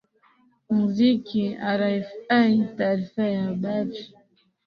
muziki rfi taarifa ya habari